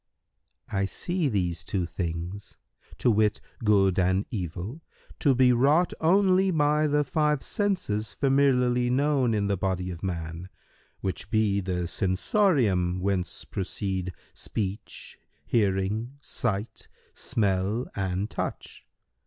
Q "I see these two things, to wit, good and evil, to be wrought only by the five senses familiarly known in the body of man, which be the sensorium[FN#132] whence proceed speech, hearing, sight, smell and touch.